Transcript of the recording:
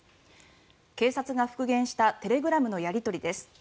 警察が復元したテレグラムのやり取りです。